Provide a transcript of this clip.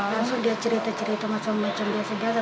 langsung dia cerita cerita macam macam biasa biasa